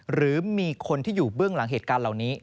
หรือมีคนที่อยู่เบื้องหลังเหตุการณ์เหล่านี้